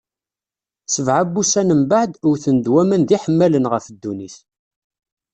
Sebɛa n wussan mbeɛd, wten-d waman d iḥemmalen ɣef ddunit.